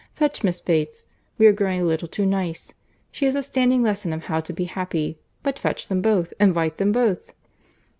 Fetch Miss Bates. We are growing a little too nice. She is a standing lesson of how to be happy. But fetch them both. Invite them both."